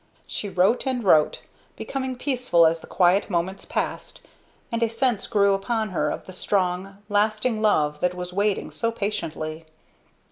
She wrote and wrote, becoming peaceful as the quiet moments passed, and a sense grew upon her of the strong, lasting love that was waiting so patiently.